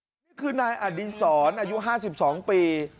นี่คือนายอดีศรอายุ๕๒ปี